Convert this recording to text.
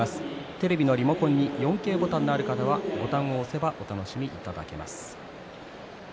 テレビのリモコンに４Ｋボタンのある方はボタンを押せばお楽しみいただけます。